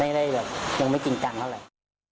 ไม่ได้แบบยังไม่จริงจังเท่าไหร่